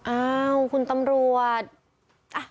อ้าวคุณตำรวจ